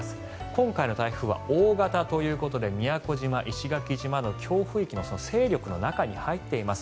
今回の台風は大型ということで宮古島、石垣島など強風域の勢力の中に入っています。